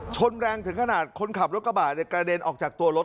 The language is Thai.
ชนแรงถึงขนาดคนขับรถกระบะกระเด็นออกจากตัวรถ